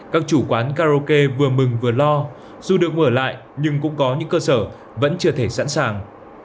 các chủ quán karaoke vừa mừng vừa lo dù được mở lại nhưng cũng có những cơ sở vẫn chưa thể sẵn sàng